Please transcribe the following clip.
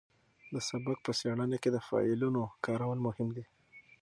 د سبک په څېړنه کې د فعلونو کارول مهم دي.